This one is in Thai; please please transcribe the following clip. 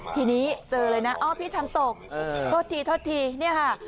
ทีนี้เจอเลยนะอ้อพี่ทำตกโทษทีโทษทีเนี่ยค่ะ